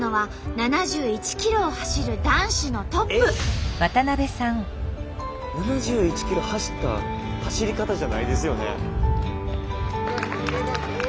７１ｋｍ走った走り方じゃないですよね。